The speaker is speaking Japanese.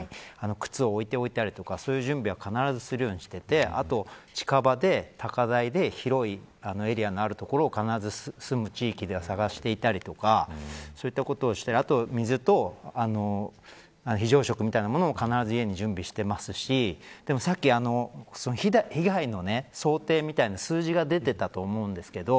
靴を置いておいたりをそういう準備は必ずするようにしていてあとは近場で高台で広いエリアのある所を住む地域では探していたりとかそういったことをしてあと、水と非常食みたいなものを必ず家に準備していますしでもさっき被害の想定みたいな数字が出てたと思うんですけど